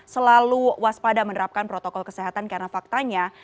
selalu waspada menerapkan protokol kesehatan karena faktanya